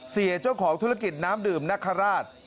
เสียเจ้าของธุรกิจน้ำดื่มนคราช